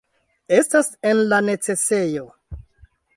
Estas en la necesejo!